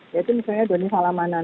yaitu misalnya doni salamanan